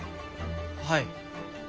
はい。